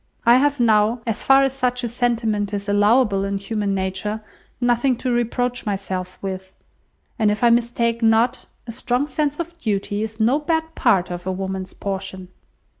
I have now, as far as such a sentiment is allowable in human nature, nothing to reproach myself with; and if I mistake not, a strong sense of duty is no bad part of a woman's portion."